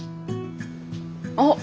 あっ。